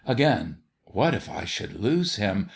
Again : What if I should lose him